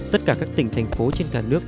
tất cả các tỉnh thành phố trên cả nước